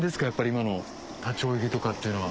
今の立ち泳ぎとかっていうのは。